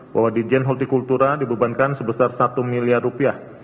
bahwa dirjen holti kultura dibebankan sebesar satu miliar rupiah